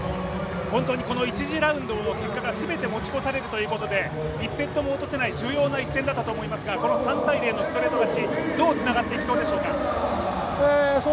１次ラウンドの結果が全て持ち越されるということで１セットも落とせない重要な一戦だったと思いますが３−０のストレート勝ち、どうつながっていきそうでしょうか？